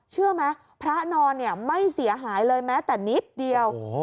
เชื่อไหมพระนอนเนี่ยไม่เสียหายเลยแม้แต่นิดเดียว